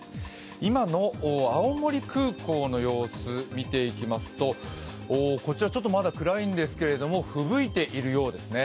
今の青森空港の様子を見ていきますと、こちらまだちょっと暗いんですがふぶいているようですね。